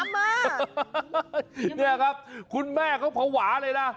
แม่ใช่แม่เค้าภาวะเลยนะ